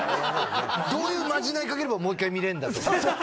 どういうまじないかければもう一回見れんだとか。